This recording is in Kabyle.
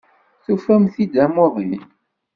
Tufamt-t-id d amuḍin.